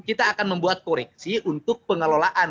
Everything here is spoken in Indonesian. kita akan membuat koreksi untuk pengelolaan